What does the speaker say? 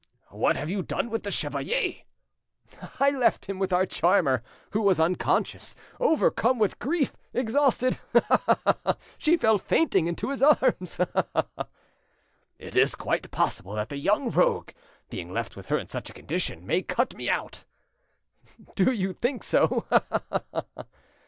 "What have you done with the chevalier?" "I left him with our charmer, who was unconscious, overcome with grief, exhausted Ha! ha! ha! She fell fainting into his arms! Ha! ha! ha!" "It's quite possible that the young rogue, being left with her in such a condition, may cut me out." "Do you think so?—Ha! ha! ha!"